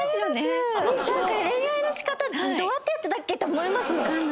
なんか恋愛の仕方どうやってやってたっけ？って思いますもん。